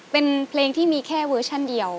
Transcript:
เป็นเพลงที่มีแค่เวอร์ชันเดียว